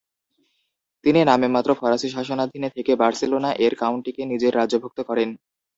তিনি নামেমাত্র ফরাসি শাসনাধীনে থেকে বার্সেলোনা এর কাউন্টিকে নিজের রাজ্যভুক্ত করেন।